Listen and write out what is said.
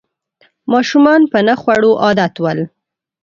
ماشومان په نه خوړو عادت ول